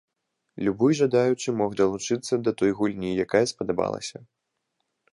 Любы жадаючы мог далучыцца да той гульні, якая спадабалася.